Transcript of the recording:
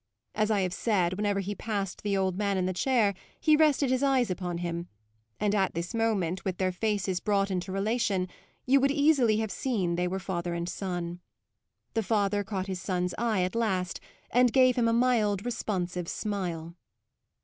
As I have said, whenever he passed the old man in the chair he rested his eyes upon him; and at this moment, with their faces brought into relation, you would easily have seen they were father and son. The father caught his son's eye at last and gave him a mild, responsive smile.